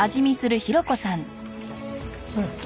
うん。